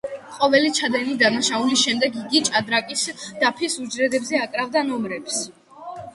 ყოველი ჩადენილი დანაშაულის შემდეგ იგი ჭადრაკის დაფის უჯრედებზე აკრავდა ნომრებს.